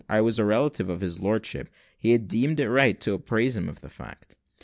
I was a relative of his lordship's, he had deemed it right to apprise him of the fact.